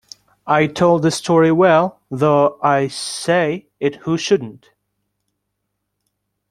I told the story well, though I say it who shouldn’t.